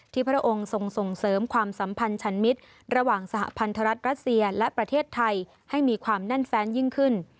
พระองค์ทรงส่งเสริมความสัมพันธ์ชันมิตรระหว่างสหพันธรัฐรัสเซียและประเทศไทยให้มีความแน่นแฟนยิ่งขึ้น